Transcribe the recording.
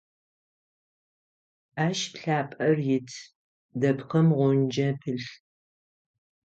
Ащ пылъапӏэр ит, дэпкъым гъунджэ пылъ.